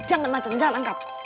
jangan macet jangan angkat